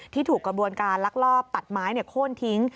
ถูกกระบวนการลักลอบตัดไม้โค้นทิ้ง